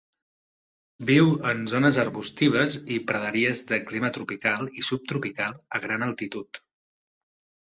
Viu en zones arbustives i praderies de clima tropical i subtropical a gran altitud.